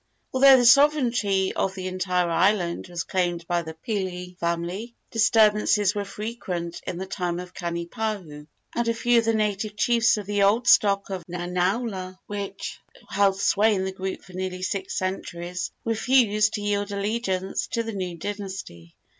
Although the sovereignty of the entire island was claimed by the Pili family, disturbances were frequent in the time of Kanipahu, and a few of the native chiefs of the old stock of Nanaula, which held sway in the group for nearly six centuries, refused to yield allegiance to the new dynasty.